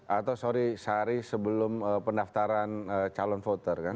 atau sorry sehari sebelum pendaftaran calon voter kan